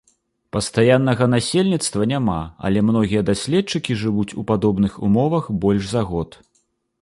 Пастаяннага насельніцтва няма, але многія даследчыкі жывуць у падобных умовах больш за год.